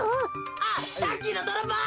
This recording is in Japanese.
あっさっきのどろぼう！